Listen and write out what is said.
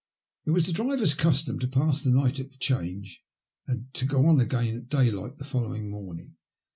It was the driver's custom to pass the night at the Change, and to go on again at daylight the following morning.